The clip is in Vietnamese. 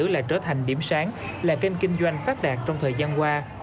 là trở thành điểm sáng là kênh kinh doanh phát đạt trong thời gian qua